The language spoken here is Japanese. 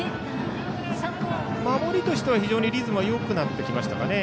守りとしては非常にリズムはよくなってきましたかね。